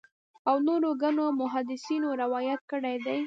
او نورو ګڼو محدِّثينو روايت کړی دی